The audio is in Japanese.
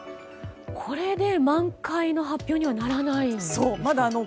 これで満開の発表にはならないんですね。